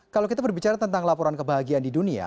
kalau kita berbicara tentang laporan kebahagiaan di dunia